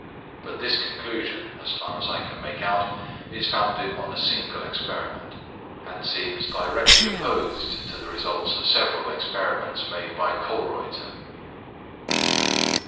But this conclusion, as far as I can make out, is founded on a single experiment; and seems directly opposed to the results of several experiments made by Kölreuter.